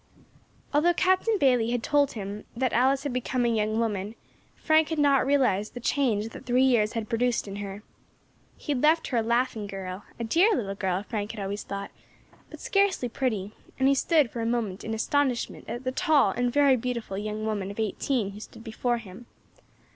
Although Captain Bayley had told him that Alice had become a young woman, Frank had not realised the change that three years had produced in her. He had left her a laughing girl a dear little girl, Frank had always thought but scarcely pretty, and he stood for a moment in astonishment at the tall and very beautiful young woman of eighteen who stood before him.